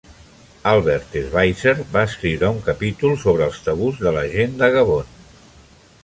Albert Schweitzer va escriure un capítol sobre els tabús de la gent de Gabon.